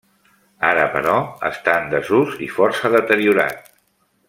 Ara, però, està en desús i força deteriorat.